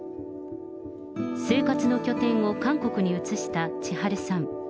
生活の拠点を韓国に移したちはるさん。